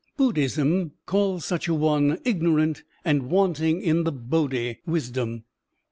Buddhism calls such a one ignorant and wanting in the Bodhi (wisdom).